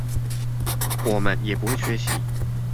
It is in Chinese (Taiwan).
我們也不會缺席